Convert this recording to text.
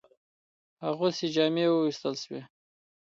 اغوستي جامې ووېستل شوې.